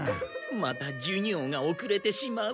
また授業がおくれてしまう。